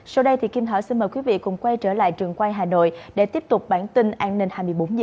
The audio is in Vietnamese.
sau đây thì kim thảo xin mời quý vị cùng quay trở lại trường quay hà nội để tiếp tục bản tin an ninh hai mươi bốn h